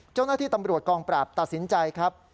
เจ้าหน้าที่ตำรวจกองปราบตัดสินใจครับ